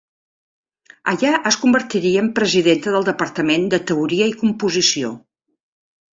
Allà es convertiria en presidenta del Departament de Teoria i Composició.